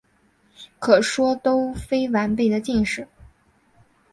可说都非完备的晋史。